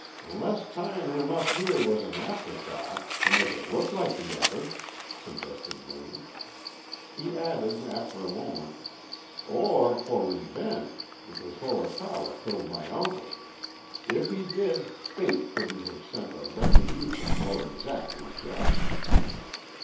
"Unless tyin' him up here was an afterthought to make it look like the other," suggested Lane. He added, after a moment, "Or for revenge, because Horikawa killed my uncle. If he did, fate couldn't have sent a retribution more exactly just."